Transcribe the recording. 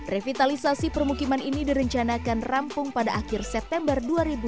revitalisasi permukiman ini direncanakan rampung pada akhir september dua ribu dua puluh